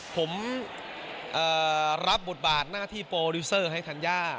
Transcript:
ผมรับบทบาทหน้าที่โปรดิวเซอร์ให้ธัญญา